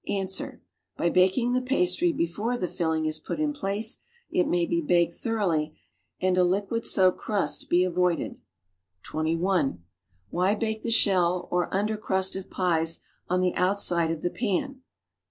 Ans. By baking the pastry before the filling is put in jjlace, it may be baked thoroughly and a liquid soaked crust be avoided. (21) Why bake the .shell or under crust of pies on the outside of the pan?